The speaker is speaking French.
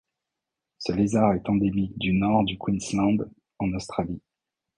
Ce lézard est endémique du Nord du Queensland en Australie.